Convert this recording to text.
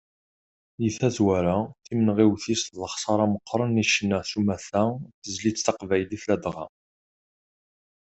Di tazwara, timenɣiwt-is d lexsaṛa meqqren i ccna s umata d tezlit taqbaylit ladɣa.